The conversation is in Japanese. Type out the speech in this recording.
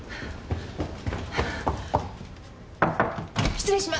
失礼しま。